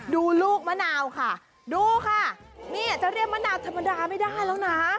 ดูลูกมะนาวค่ะดูค่ะนี่จะเรียกมะนาวธรรมดาไม่ได้แล้วนะ